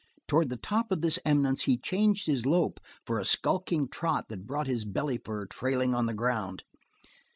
Toward the top of this eminence he changed his lope for a skulking trot that brought his belly fur trailing on the ground.